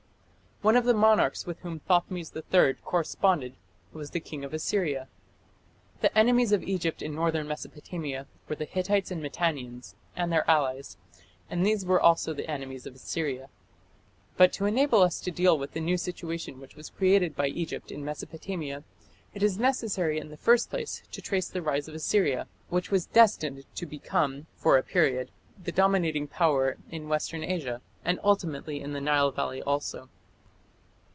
" One of the monarchs with whom Thothmes III corresponded was the king of Assyria. The enemies of Egypt in northern Mesopotamia were the Hittites and Mitannians, and their allies, and these were also the enemies of Assyria. But to enable us to deal with the new situation which was created by Egypt in Mesopotamia, it is necessary in the first place to trace the rise of Assyria, which was destined to become for a period the dominating power in Western Asia, and ultimately in the Nile valley also.